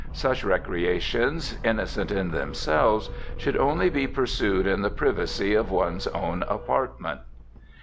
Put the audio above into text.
Such recreations, innocent in themselves, should only be pursued in the privacy of one's own apartment.